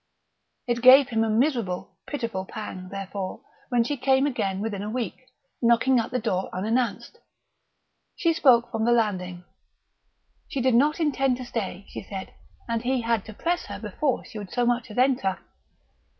It gave him a miserable, pitiful pang, therefore, when she came again within a week, knocking at the door unannounced. She spoke from the landing; she did not intend to stay, she said; and he had to press her before she would so much as enter.